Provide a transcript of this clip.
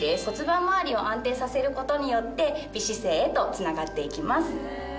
骨盤周りを安定させることによって美姿勢へとつながって行きます。